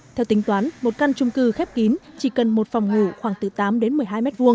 theo tính toán một căn trung cư khép kín chỉ cần một phòng ngủ khoảng từ tám đến một mươi hai m hai